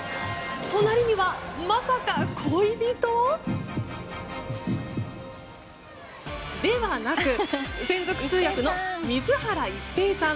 隣には、まさか恋人？ではなく専属通訳の水原一平さん。